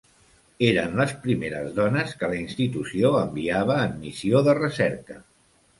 Eren les primeres dones que la institució enviava en missió de recerca.